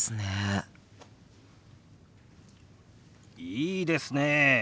いいですねえ。